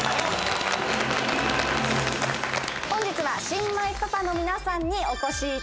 本日は新米パパの皆さんにお越しいただきました。